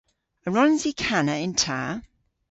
A wrons i kana yn ta?